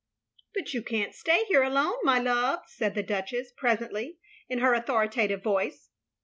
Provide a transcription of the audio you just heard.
" But you can't stay here alone, my love, " said the Duchess presently, in her authoritative voice.